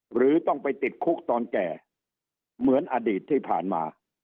หรือต้องไปติดคุกตอนแก่เหมือนอดีตที่ผ่านมา